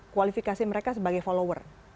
kualifikasi mereka sebagai follower